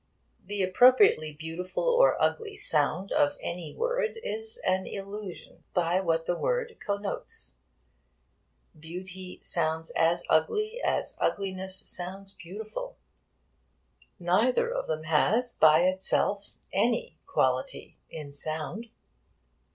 The appropriately beautiful or ugly sound of any word is an illusion wrought on us by what the word connotes. Beauty sounds as ugly as ugliness sounds beautiful. Neither of them has by itself any quality in sound.